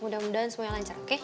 mudah mudahan semuanya lancar oke